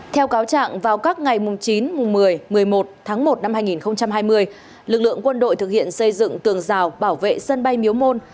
theo cáo trạng vào các ngày chín một mươi một mươi một tháng một năm hai nghìn hai mươi lực lượng quân đội thực hiện xây dựng tường rào bảo vệ sân bay miếu môn